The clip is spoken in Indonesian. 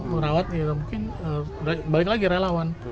merawat ya mungkin balik lagi relawan